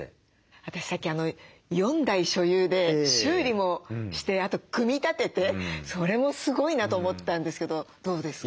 私さっき４台所有で修理もしてあと組み立ててそれもすごいなと思ったんですけどどうですか？